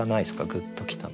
「グッときた」の。